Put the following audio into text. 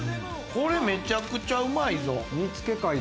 これ、めちゃくちゃうまいぞ。